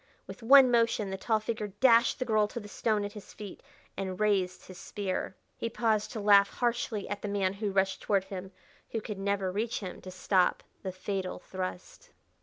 With one motion the tall figure dashed the girl to the stone at his feet and raised his spear. He paused to laugh harshly at the man who rushed toward him who could never reach him to stop the fatal thrust.